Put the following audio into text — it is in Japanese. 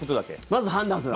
まず判断する。